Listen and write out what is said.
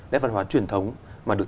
nét văn hóa truyền thống mà được